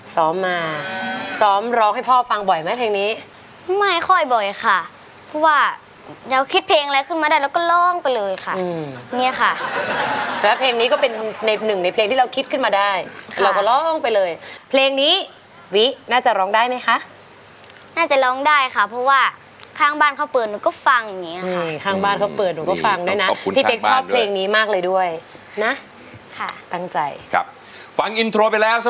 ซ้อมมาซ้อมร้องให้พ่อฟังบ่อยไหมเพลงนี้ไม่ค่อยบ่อยค่ะเพราะว่าเราคิดเพลงอะไรขึ้นมาได้แล้วก็ร้องไปเลยค่ะเนี่ยค่ะแล้วเพลงนี้ก็เป็นในหนึ่งในเพลงที่เราคิดขึ้นมาได้เราก็ร้องไปเลยเพลงนี้วิน่าจะร้องได้ไหมคะน่าจะร้องได้ค่ะเพราะว่าข้างบ้านเขาเปิดหนูก็ฟังอย่างเงี้ค่ะข้างบ้านเขาเปิดหนูก็ฟังด้วยนะพี่เป๊กชอบเพลงนี้มากเลยด้วยนะค่ะตั้งใจครับฟังอินโทรไปแล้วส